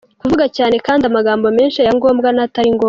Kuvuga cyane kandi amagambo menshi aya ngombwa n’atari ngombwa.